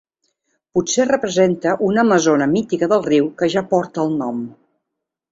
Potser representa una amazona mítica del riu que ja porta el nom.